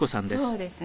そうですね。